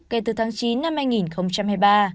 kể từ tháng chín năm hai nghìn hai mươi ba